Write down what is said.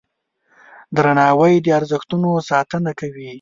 درناوی د ارزښتونو ساتنه کوي.